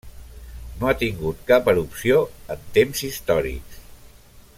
No ha tingut cap erupció en temps històrics.